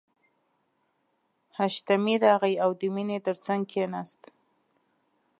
حشمتي راغی او د مینې تر څنګ کښېناست